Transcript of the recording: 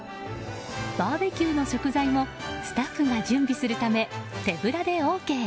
バーべキューの食材もスタッフが準備するため手ぶらでＯＫ。